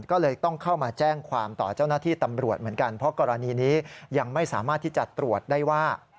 ก็เลยต้องเข้ามาแจ้งความต่อเจ้าหน้าที่ตำรวจเหมือนกันเพราะกรณีนี้ยังไม่สามารถที่จะตรวจได้ว่า